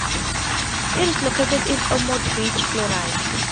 It is located in Ormond Beach, Florida.